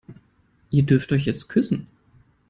Ihr dürft euch jetzt küssen.